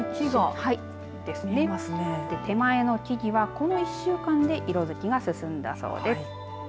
手前の木々は、この１週間で色づきが進んだそうです。